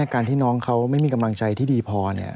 การที่น้องเขาไม่มีกำลังใจที่ดีพอ